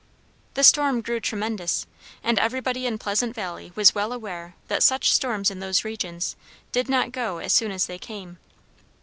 The storm grew tremendous, and everybody in Pleasant Valley was well aware that such storms in those regions did not go as soon as they came.